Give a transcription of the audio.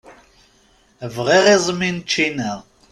Bɣiɣ iẓmi n ččina.